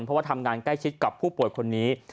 เพราะว่าทำงานใกล้ชิดกับผู้ป่วยคนนี้